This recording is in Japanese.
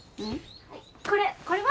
はいこれこれは？